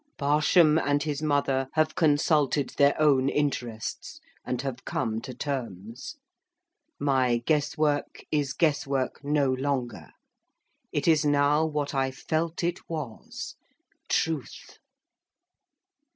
"Barsham and his mother have consulted their own interests, and have come to terms. My guess work is guess work no longer. It is now what I felt it was—Truth!"